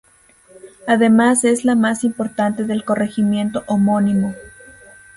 Además es la más importante del corregimiento homónimo.